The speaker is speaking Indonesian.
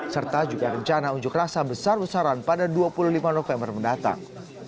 serta juga rencana unjuk rasa besar besaran pada dua puluh lima november mendatang